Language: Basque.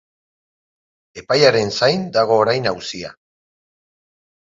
Epaiaren zain dago orain auzia.